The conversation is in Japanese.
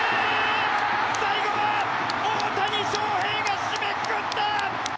最後は大谷翔平が締めくくった！